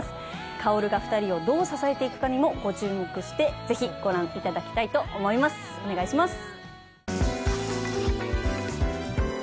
薫が２人をどう支えていくかにもご注目してぜひご覧いただきたいと思いますお願いします